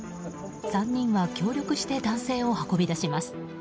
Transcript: ３人は協力して男性を運び出します。